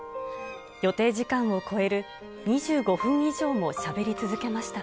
予定時間を超える、２５分以上もしゃべり続けました。